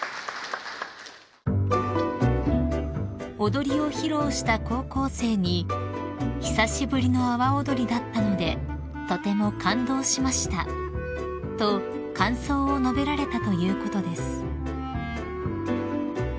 ［踊りを披露した高校生に「久しぶりの阿波おどりだったのでとても感動しました」と感想を述べられたということです］